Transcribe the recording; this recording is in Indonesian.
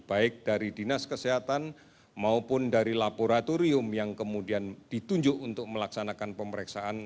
baik dari dinas kesehatan maupun dari laboratorium yang kemudian ditunjuk untuk melaksanakan pemeriksaan